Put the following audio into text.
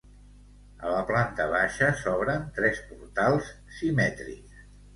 A la planta baixa s'obren tres portals simètrics.